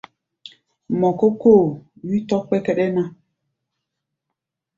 Mɔ kó kóo, wí tɔ̧́ kpɛ́kɛ́ɗɛ́ ná.